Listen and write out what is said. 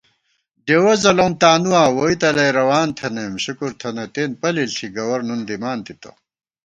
ڈېوَہ ځَلَؤم تانُواں ووئی تلَئی روان تھنَئیم شُکُر تھنہ تېن پلےݪی گور نُن دِمان تِتہ